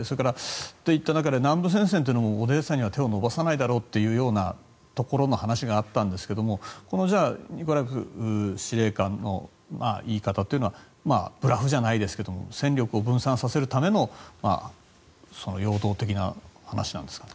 そういった中で南部戦線というのもオデーサには手を伸ばさないだろうという話があったんですけれどもミネカエフ副司令官はブラフじゃないですが戦力を分散させるための陽動的な話なんですか？